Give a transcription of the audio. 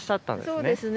そうですね